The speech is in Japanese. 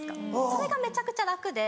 それがめちゃくちゃ楽で。